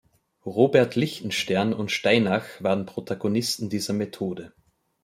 Robert Lichtenstern und Steinach waren Protagonisten dieser Methode.